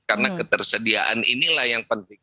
karena ketersediaan inilah yang penting